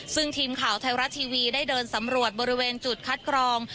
ซึ่งทีมข่าวไทยรัฐทีวีได้เดินสำรวจบริเวณจุดคัดกรอง